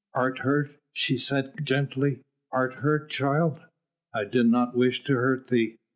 "Art hurt?" she said gently, "art hurt, child? I did not wish to hurt thee.